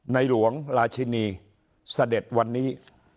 หลวงราชินีเสด็จวันนี้